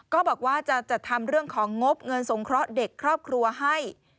ก็บอกว่าจะจัดทำเรื่องของงบเงินสงเคราะห์เด็กครอบครัวให้